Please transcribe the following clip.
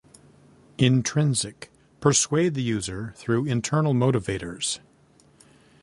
Intrinsic: Persuade the user through internal motivators.